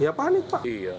ya panik pak